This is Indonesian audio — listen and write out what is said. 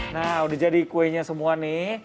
nah udah jadi kuenya semua nih